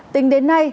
tính đến nay